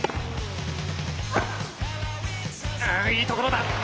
いいところだ！